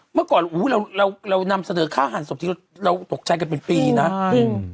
เมื่อก่อนอุ้ยเราเรานำเสนอค่าหันศพที่เราตกใจกันเป็นปีนะอืม